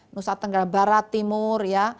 nusa tenggara barat timur ya